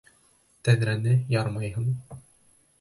Тәҙрәне ярмайһың!